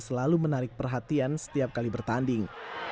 selalu menarik perhatian setiap kali bertanding